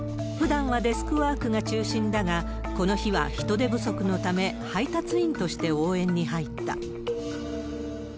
ふだんはデスクワークが中心だが、この日は人手不足のため、配達員として応援に入った。